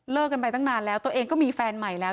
กันไปตั้งนานแล้วตัวเองก็มีแฟนใหม่แล้ว